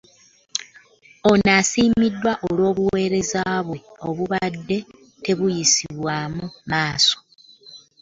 Ono asiimiddwa olw'obuweereza bwe obubadde tebuyisibwamu maaso.